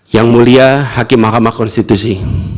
yang mulia hakim mahkamah konstitusi